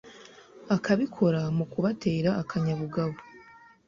akabikora mu kubatera akanyabugabo